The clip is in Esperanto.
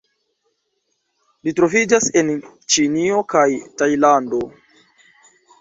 Ĝi troviĝas en Ĉinio kaj Tajlando.